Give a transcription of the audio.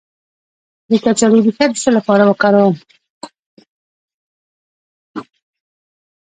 د کچالو ریښه د څه لپاره وکاروم؟